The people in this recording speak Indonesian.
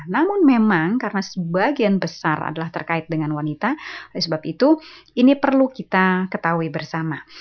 namun memang karena sebagian besar adalah terkait dengan wanita oleh sebab itu ini perlu kita ketahui bersama